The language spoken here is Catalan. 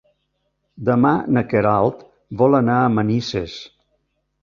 Demà na Queralt vol anar a Manises.